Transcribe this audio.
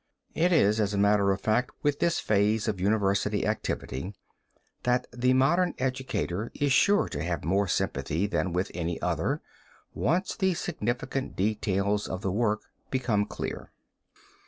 It is, as a matter of fact, with this phase of university activity that the modern educator is sure to have more sympathy than with any other, once the significant details of the work become clear.